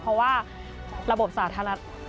เพราะว่าระบบสาธารณะ